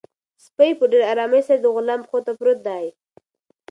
سپی په ډېر ارامۍ سره د غلام پښو ته پروت دی.